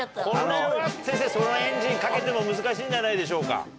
これは先生そのエンジンかけても難しいんじゃないでしょうか。